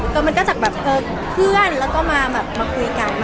เกิดมันก็จะแบบเพื่อนแล้วก็มาคุยกันมากความ